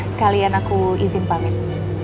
sekalian aku izin pamit